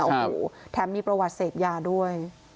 โอ้โหแถมมีประวัติเสพยาด้วย